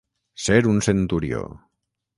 Ser un centurió.